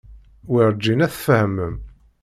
Werǧin ad tfehmem.